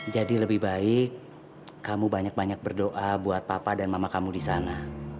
jadi lebih baik kamu banyak banyak berdoa buat papa dan mama kamu disana